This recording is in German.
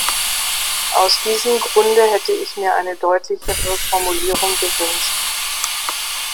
Aus diesem Grunde hätte ich mir eine deutlichere Formulierung gewünscht.